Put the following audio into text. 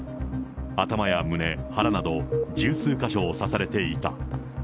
頭や胸、腹など、十数か所を刺されていた。